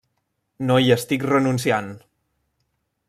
No hi estic renunciant.